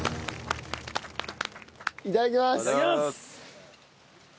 いただきます！